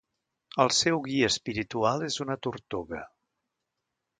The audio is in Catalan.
El seu guia espiritual és una tortuga.